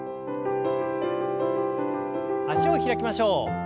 脚を開きましょう。